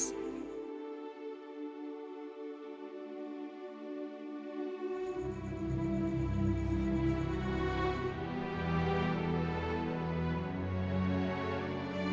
kau akan memiliki lima buah nyemplung